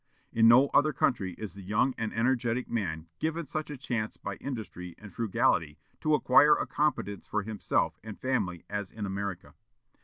In no other country is the young and energetic man given such a chance by industry and frugality to acquire a competence for himself and family as in America.